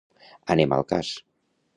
Anem al cas.